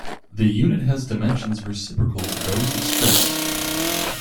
The unit has dimensions reciprocal to those of stress.